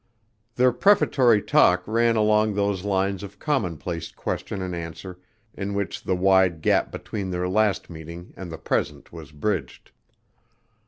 Their prefatory talk ran along those lines of commonplace question and answer in which the wide gap between their last meeting and the present was bridged.